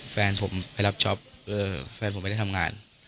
แฟนผมไปรับช็อปแฟนผมไม่ได้ทำงาน